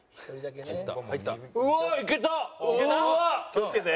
気をつけて。